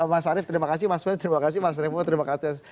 mas arief terima kasih mas wen terima kasih mas revo terima kasih